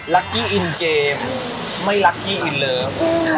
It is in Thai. ลักษณ์อินเกมไม่ลักษณ์อินเลิฟ